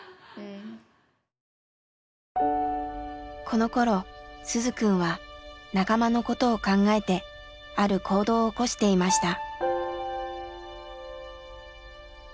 このころ鈴くんは仲間のことを考えてある行動を起こしていました。